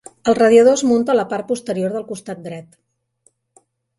El radiador es munta a la part posterior del costat dret.